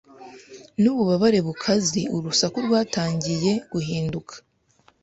Nububabare bukaze urusaku rwatangiye Guhinduka